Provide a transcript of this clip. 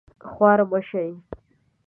خوار مه شې